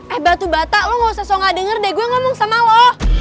eh batu bata lu gak usah sok gak denger deh gue ngomong sama lo